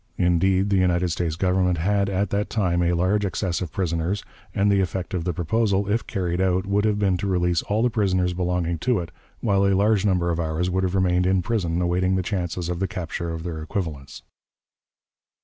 Indeed, the United States Government had, at that time, a large excess of prisoners, and the effect of the proposal, if carried out, would have been to release all the prisoners belonging to it, while a large number of ours would have remained in prison awaiting the chances of the capture of their equivalents.